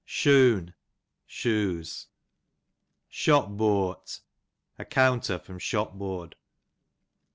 Shoon, shoes. Shop booart, a countei; from shop board.